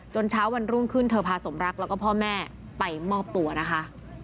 เช้าวันรุ่งขึ้นเธอพาสมรักแล้วก็พ่อแม่ไปมอบตัวนะคะ